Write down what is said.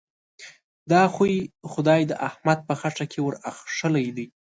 دا خوی؛ خدای د احمد په خټه کې ور اخښلی دی.